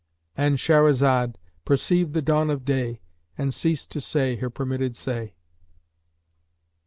"—And Shahrazad perceived the dawn of day and ceased to say her permitted say.